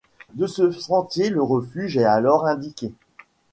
De ce sentier, le refuge est alors indiqué.